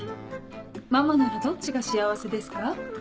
ママならどっちが幸せですか？